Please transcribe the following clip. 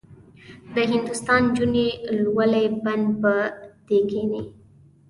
د هندوستان نجونې لولۍ بند به دې کیني.